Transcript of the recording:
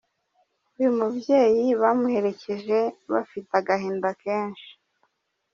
Uyu mubyeyi bamuherekeje bafite agahinda kenshi.